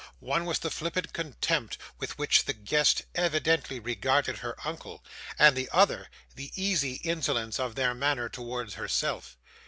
One was the flippant contempt with which the guests evidently regarded her uncle, and the other, the easy insolence of their manner towards herself.